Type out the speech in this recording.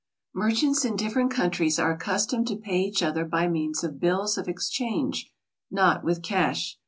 Merchants in different countries are accustomed to pay sach other by means of bills of exchange, not with cash.